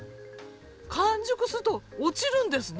完熟すると落ちるんですね